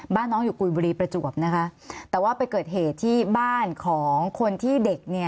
บ้านน้องอยู่กุยบุรีประจวบนะคะแต่ว่าไปเกิดเหตุที่บ้านของคนที่เด็กเนี่ย